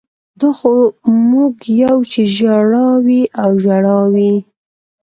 دا خو موږ یو چې ژړا وي او ژړا وي